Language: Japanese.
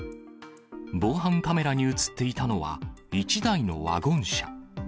防犯カメラに写っていたのは、１台のワゴン車。